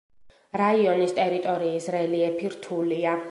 რაიონის ტერიტორიის რელიეფი რთულია.